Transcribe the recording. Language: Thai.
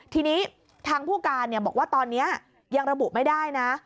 ทีนี้ทางผู้การบอกว่าตอนนี้ยังระบุไม่ได้นะ